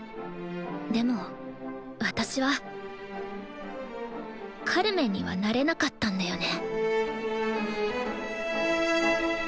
でも私はカルメンにはなれなかったんだよね